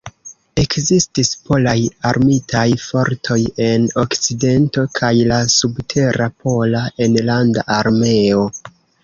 Ekzistis Polaj Armitaj Fortoj en Okcidento kaj la subtera Pola Enlanda Armeo.